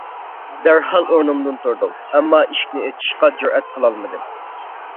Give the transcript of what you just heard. دەرھال ئورنۇمدىن تۇردۇم، ئەمما ئىشىكنى ئېچىشقا جۈرئەت قىلالمىدىم.